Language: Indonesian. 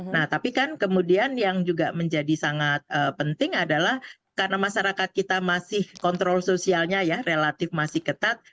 nah tapi kan kemudian yang juga menjadi sangat penting adalah karena masyarakat kita masih kontrol sosialnya ya relatif masih ketat